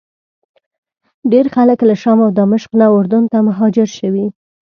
ډېر خلک له شام او دمشق نه اردن ته مهاجر شوي.